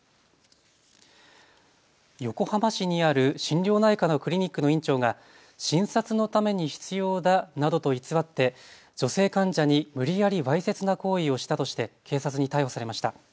横浜市にある心療内科のクリニックの院長が診察のために必要だなどと偽って女性患者に無理やりわいせつな行為をしたとして警察に逮捕されました。